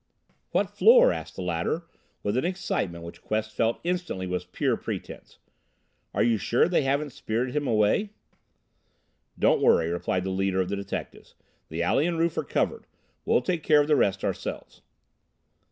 "What floor?" asked the latter, with an excitement which Quest felt instantly was pure pretense. "Are you sure they haven't spirited him away?" "Don't worry," replied the leader of the detectives. "The alley and roof are covered. We'll take care of the rest ourselves."